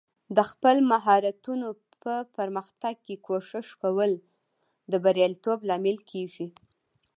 د خپل مهارتونو په پرمختګ کې کوښښ کول د بریالیتوب لامل کیږي.